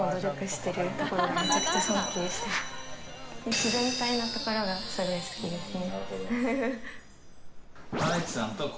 自然体なところがすごく好きですね。